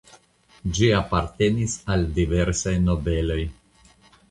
Ĝi apartenis al diversaj nobeloj.